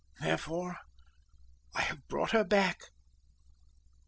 Therefore I have brought her back."